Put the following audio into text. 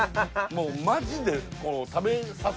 もうマジで。